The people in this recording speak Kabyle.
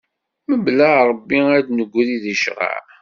Mebla Rebbi ar d-negri di craɛ.